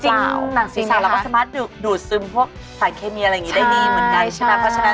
จริงหนังศีรษะเราก็สามารถดูดซึมพวกสารเคเมียอะไรอย่างงี้ได้ดีเหมือนกันใช่ไหม